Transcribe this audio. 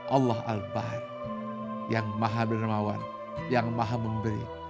allah al bahr yang maha dermawan yang maha memberi